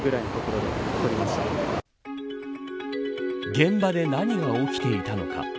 現場で何が起きていたのか。